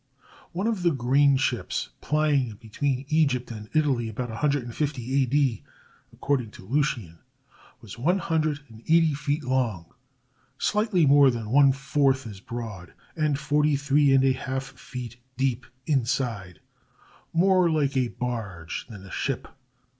One of the grain ships plying between Egypt and Italy about 150 A. D., according to Lucian, was one hundred and eighty feet long, slightly more than one fourth as broad, and forty three and a half feet deep inside,— more like a barge than a "ship."